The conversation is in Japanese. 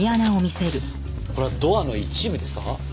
これはドアの一部ですか？